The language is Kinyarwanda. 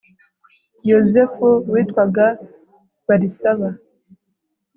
Yozefu witwaga Barisaba